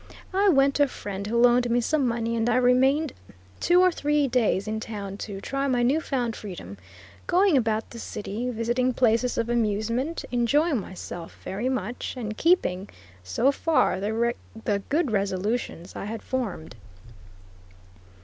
I went to a friend who loaned me some money, and I remained two or three days in town to try my new found freedom, going about the city, visiting places of amusement, enjoying myself very much, and keeping, so far, the good resolutions I had formed.